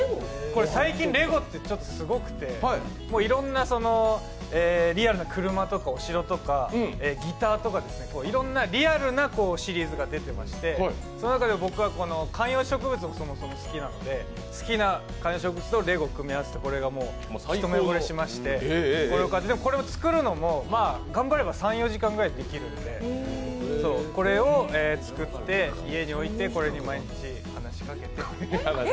最近レゴってちょっとすごくて、いろんなリアルな車とかお城とかギターとかいろんなリアルなシリーズが出ていまして、その中で僕は観葉植物がそもそも好きなんで好きな観葉植物とレゴを組み合わせたこれ、一目ぼれしましてでも、これを作るのも頑張れば３４時間ぐらいでできるのでこれを作って家に置いて、これに毎日話しかけて。